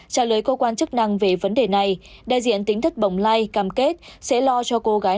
trả lời cơ quan chức năng về vấn đề này đại diện tính thất bồng lai cam kết sẽ lo cho cô gái